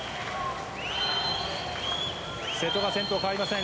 瀬戸が先頭変わりません。